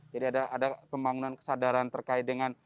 jadi ada pembangunan kesadaran terkait dengan